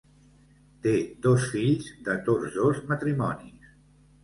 Té dos fills de tots dos matrimonis.